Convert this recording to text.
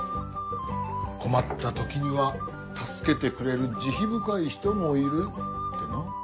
「困った時には助けてくれる慈悲深い人もいる」ってな。